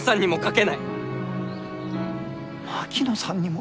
槙野さんにも。